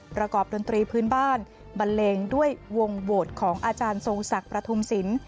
ดนตรีพื้นบ้านบันเลงด้วยวงโหวตของอาจารย์ทรงศักดิ์ประทุมศิลป์